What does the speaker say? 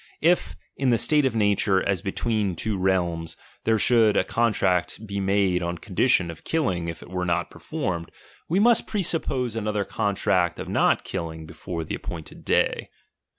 If in the state of nature, as be tween two realms, there should a contract be made on condition of killing if it were not performed, we must presuppose another contract of not kill ing before the appointed day.